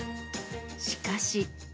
しかし。